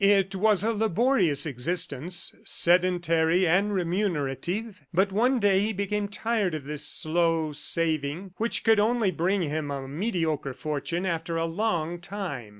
It was a laborious existence, sedentary and remunerative. But one day he became tired of this slow saving which could only bring him a mediocre fortune after a long time.